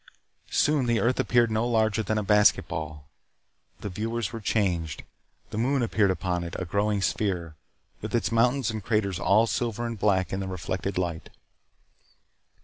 Soon the earth appeared no larger than a basketball. The viewers were changed. The moon appeared upon it a growing sphere, with its mountains and craters all silver and black in the reflected light.